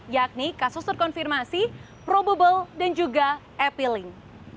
yakni kasus terkonfirmasi probable dan juga epilink